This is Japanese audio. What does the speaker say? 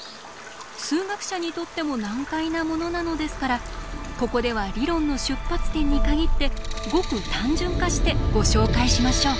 数学者にとっても難解なものなのですからここでは理論の出発点に限ってごく単純化してご紹介しましょう。